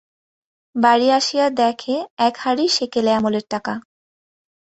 বাড়ি আসিয়া দেখে-এক হ্যাঁড়ি সেকেলে আমলের টাকা।